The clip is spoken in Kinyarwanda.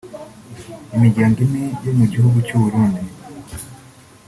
Imiryango ine yo mu gihugu cy’u Burundi